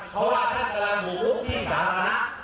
เพราะว่าท่านกำลังบุกลุกที่สาธารณะ